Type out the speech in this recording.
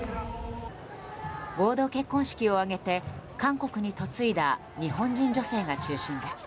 合同結婚式を挙げて韓国に嫁いだ日本人女性が中心です。